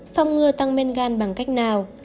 phòng ngừa tăng men gan bằng cách nào